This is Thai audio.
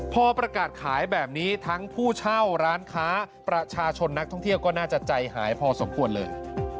พอประกาศขายแบบนี้ทั้งผู้เช่าร้านค้าประชาชนนักท่องเที่ยวก็น่าจะใจหายพอสมควรเลย